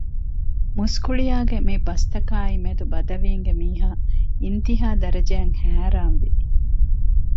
މުސްކުޅިޔާގެ މި ބަސްތަކާއި މެދު ބަދަވީންގެ މީހާ އިންތީހާ ދަރަޖައަށް ހައިރާންވި